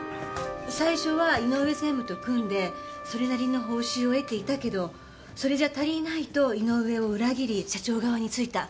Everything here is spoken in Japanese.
最初は井上専務と組んでそれなりの報酬を得ていたけどそれじゃ足りないと井上を裏切り社長側についた。